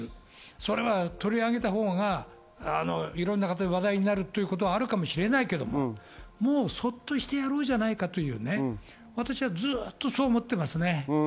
それは取り上げたほうが話題になるということはあるかもしれないけど、もうそっとしてやろうじゃないかという、私はずっとそう思っています。